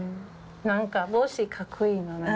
何か帽子かっこいいのね。